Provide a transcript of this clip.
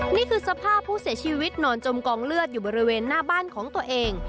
นี่คือสภาพผู้เสียชีวิตนอนจมกองเลือดอยู่บริเวณหน้าบ้านของตัวเอง